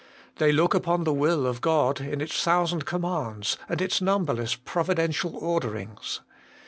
They look upon the will of God in its thousand commands, and its numberless providential orderings.